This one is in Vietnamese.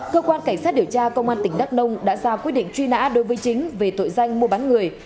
cơ quan cảnh sát điều tra công an tỉnh đắk nông đã ra quyết định truy nã đối với chính về tội danh mua bán người